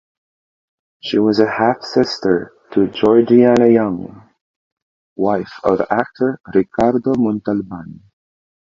She was a half-sister to Georgiana Young, wife of actor Ricardo Montalban.